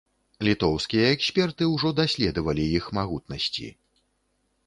Літоўскія эксперты ўжо даследавалі іх магутнасці.